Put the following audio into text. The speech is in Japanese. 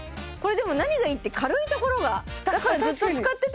これでも何がいいって軽いところが確かに！